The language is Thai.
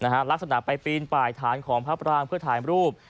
หลักษณะไปปีนไปฐานของพระบรางพื้นถ่ายรูป